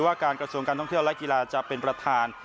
ว่าการกระทรวงการท่องเที่ยวและกีฬาจะเป็นประธาน